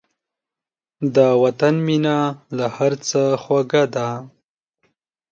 د وطن مینه له هر څه خوږه ده.